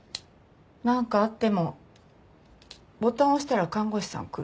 何かあってもボタン押したら看護師さん来るし。